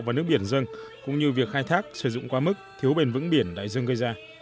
và nước biển dân cũng như việc khai thác sử dụng quá mức thiếu bền vững biển đại dương gây ra